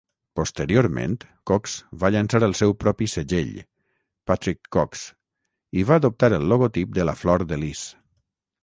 Posteriorment, Cox va llançar el seu propi segell, Patrick Cox, i va adoptar el logotip de la flor de lis.